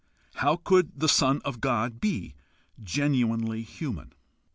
How could the Son of God be genuinely human?